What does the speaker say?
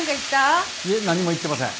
いえ、何も言ってません。